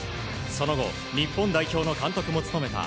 その後、日本代表の監督も務めた